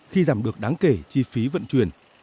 khi giảm được đáng kể chi phí vận chuyển